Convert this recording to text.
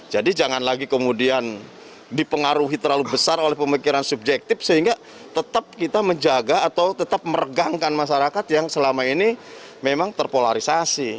jadi jangan lagi kemudian dipengaruhi terlalu besar oleh pemikiran subjektif sehingga tetap kita menjaga atau tetap meregangkan masyarakat yang selama ini memang terpolarisasi